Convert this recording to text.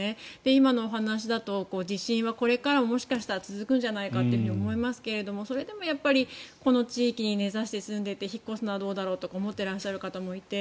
今のお話だと、地震はこれからも続くんじゃないかと思いますが、それでもやっぱりこの地域に根差して住んでいて引っ越すのはどうだろうと思っている方もいて